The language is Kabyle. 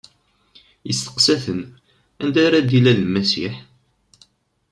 Isteqsa-ten: Anda ara d-ilal Lmasiḥ?